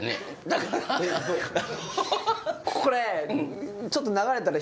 これちょっと流れたら。